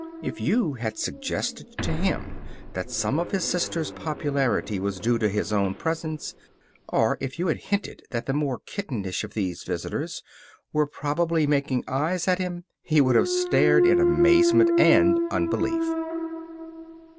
If you had suggested to him that some of his sisters' popularity was due to his own presence, or if you had hinted that the more kittenish of these visitors were probably making eyes at him, he would have stared in amazement and unbelief.